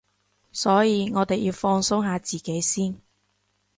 所以我哋要放鬆下自己先